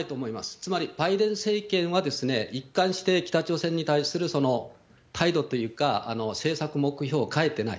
つまりバイデン政権は一貫して北朝鮮に対する態度というか、政策目標を変えてない。